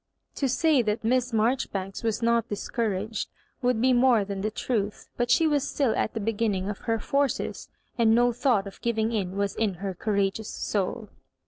To say that Miss Marjoribanks was not discouraged would be more than the truth ; but she was still at the beginning of her forces, and no thought of giving in was in her courageous soul.